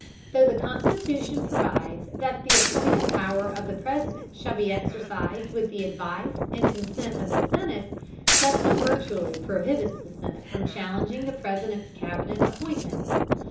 Though the Constitution provides that the appointive power of the President shall be exercised with the advice and consent of the Senate, custom virtually prohibits the Senate from challenging the President's Cabinet appointments.